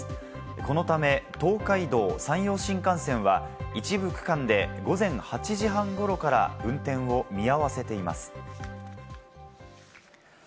このため、東海道、山陽新幹線は一部区間で午前８時半ごろから、運転を見合わせています。